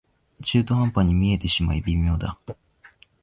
中途半端に見えてしまい微妙だ